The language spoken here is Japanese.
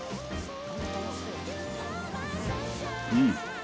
うん。